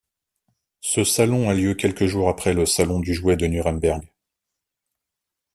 Ce salon a lieu quelques jours après le Salon du jouet de Nuremberg.